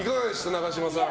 永島さん。